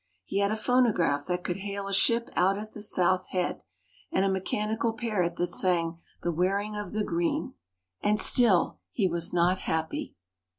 He had a phonograph that could hail a ship out at the South Head, and a mechanical parrot that sang "The Wearing of the Green". And still he was not happy.